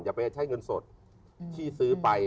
อย่าไปใช้เงินสดที่ซื้อไป